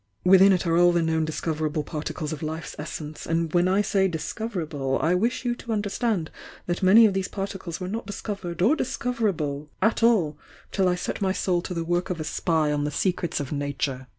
Within it are all the known discover able particles of life's essence, and when I say 'dis coverable,' I wish you to understand that many of these particles were not discovered or discoverable at all till I set my soul to the work of a spy on the secrets of Nature.